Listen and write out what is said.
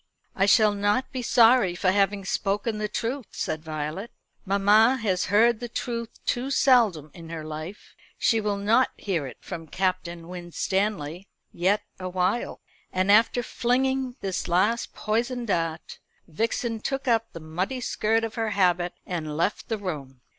"I shall not be sorry for having spoken the truth," said Violet. "Mamma has heard the truth too seldom in her life. She will not hear it from Captain Winstanley yet awhile." And after flinging this last poisoned dart, Vixen took up the muddy skirt of her habit and left the room.